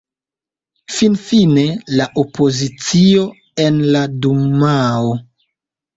Finfine la opozicio en la dumao.